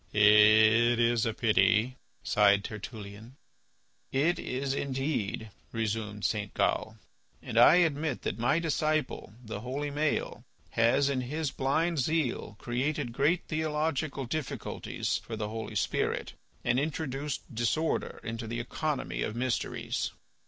"It is a pity," sighed Tertullian. "It is indeed," resumed St. Gal. "And I admit that my disciple, the holy Maël, has, in his blind zeal, created great theological difficulties for the Holy Spirit and introduced disorder into the economy of mysteries."